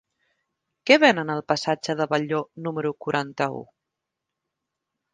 Què venen al passatge de Batlló número quaranta-u?